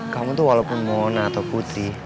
kamu tuh walaupun mona atau putih